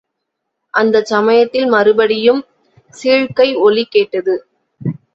அந்தச் சமயத்தில் மறுபடியும் சீழ்க்கை ஒலி கேட்டது.